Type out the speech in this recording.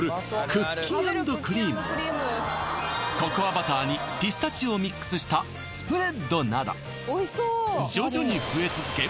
クッキー＆クリームやココアバターにピスタチオをミックスしたスプレッドなど徐々に増え続け